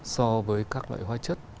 so với các loại hóa chất